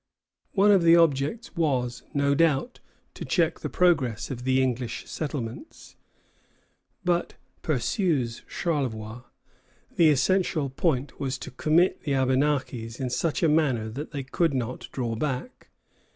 One of the objects was, no doubt, to check the progress of the English settlements; but, pursues Charlevoix, "the essential point was to commit the Abenakis in such a manner that they could not draw back."